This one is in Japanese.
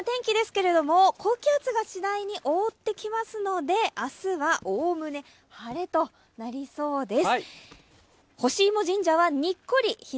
高気圧が次第に覆ってきますので、明日はおおむね晴れとなりそうです。